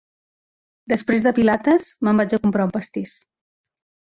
Després de pilates, me'n vaig a comprar un pastís.